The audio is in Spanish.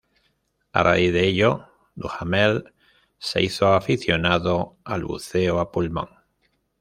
A raíz de ello, Duhamel se hizo aficionado al buceo a pulmón.